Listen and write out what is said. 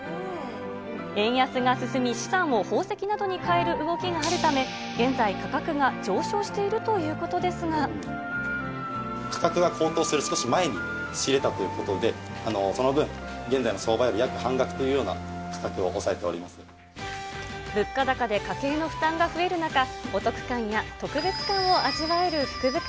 円安が進み、資産を宝石などに変える動きがあるため、現在、価格が上昇してい価格が高騰する少し前に仕入れたということで、その分、現在の相場より約半額というよう物価高で家計の負担が増える中、お得感や特別感を味わえる福袋。